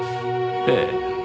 ええ。